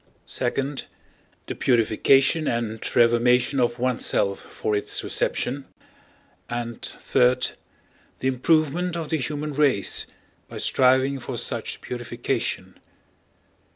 (2) The purification and reformation of oneself for its reception, and (3) The improvement of the human race by striving for such purification.